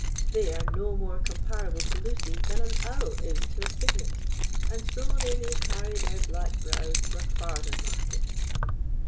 They are no more comparable to Lucy than an owl is to a cygnet, and so they may carry their black brows to a farther market."